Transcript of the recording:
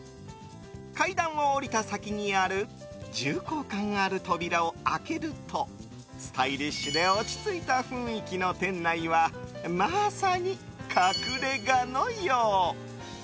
階段を降りた先にある重厚感ある扉を開けるとスタイリッシュで落ち着いた雰囲気の店内はまさに隠れ家のよう！